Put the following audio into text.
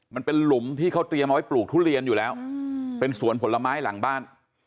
มันเป็นหลุมที่เขาเตรียมเอาไว้ปลูกทุเรียนอยู่แล้วเป็นสวนผลไม้หลังบ้าน